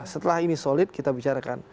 setelah ini solid kita bicarakan